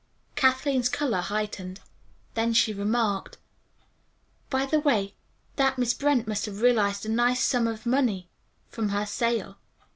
Kathleen's color heightened. Then she remarked: "By the way, that Miss Brent must have realized a nice sum of money from her sale.